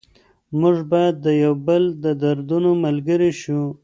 موږ باید د یو بل د دردونو ملګري شو.